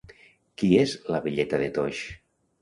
Qui és la velleta de Toix?